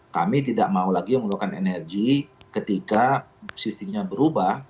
kami tidak mau lagi mengeluarkan energi ketika sistemnya berubah